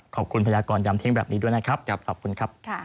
ขอบคุณพญากรยำเท้นแบบนี้ด้วยนะครับ